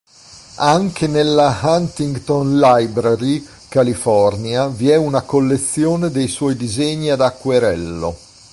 Anche nella Huntington Library, California, vi è una collezione dei suoi disegni ad acquerello.